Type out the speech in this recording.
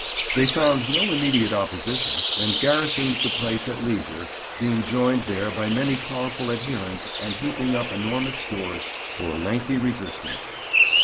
They found no immediate opposition, and garrisoned the place at leisure, being joined there by many powerful adherents and heaping up enormous stores for a lengthy resistance.